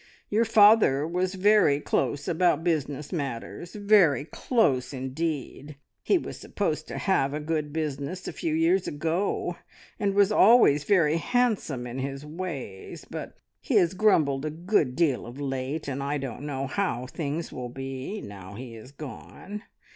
Your father was very close about business matters very close indeed. He was supposed to have a good business a few years ago, and was always very handsome in his ways, but he has grumbled a good deal of late, and I don't know how things will be now he is gone.